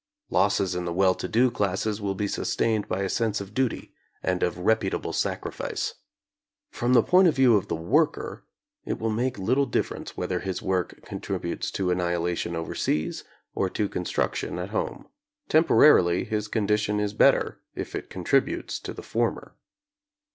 Losses in the well to do classes will be sustained by a sense of duty and of reputable sacrifice. From the point of view of the worker, it will make little difference whether his work con tributes to annihilation overseas or to construction at home. Temporarily, his condition is better if it contributes to the former.